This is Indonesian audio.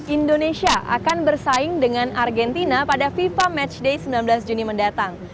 indonesia akan bersaing dengan argentina pada fifa matchday sembilan belas juni mendatang